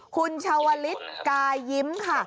คุณชาวลิศกายิ้มค่ะ